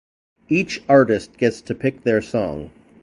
Each artist gets to pick their song.